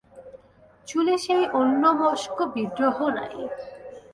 চুলে সেই অন্যমস্ক বিদ্রোহ নাই।